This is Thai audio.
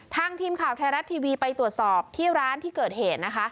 ทีมข่าวไทยรัฐทีวีไปตรวจสอบที่ร้านที่เกิดเหตุนะคะ